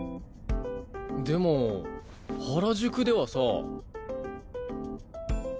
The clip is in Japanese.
でも原宿ではさ。